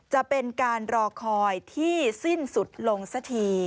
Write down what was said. จะเป็นการรอคอยที่สิ้นสุดลงสักที